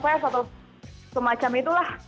atau semacam itulah